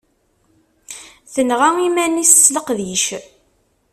Tenɣa iman-is s leqdic.